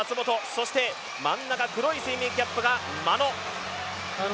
そして、真ん中の黒い水泳キャップが眞野。